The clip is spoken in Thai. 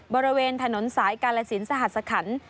บริเวณถนนสายกาลสินสหัสคัน